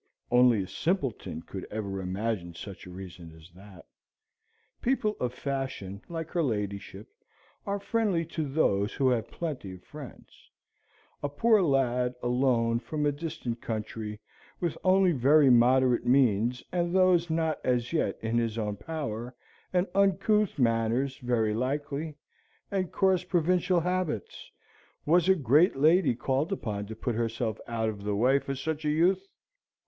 Only a simpleton could ever imagine such a reason as that. People of fashion, like her ladyship, are friendly to those who have plenty of friends. A poor lad, alone, from a distant country, with only very moderate means, and those not as yet in his own power, with uncouth manners very likely, and coarse provincial habits; was a great lady called upon to put herself out of the way for such a youth?